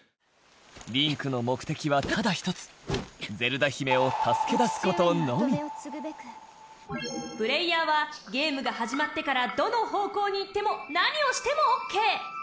リンクの目的は、ただ１つゼルダ姫を助け出す事のみプレイヤーはゲームが始まってからどの方向に行っても何をしてもＯＫ